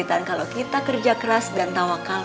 dan ditahan kalau kita kerja keras dan tawakal